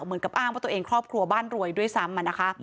เหมือนกับอ้างว่าตัวเองครอบครัวบ้านรวยด้วยซ้ำ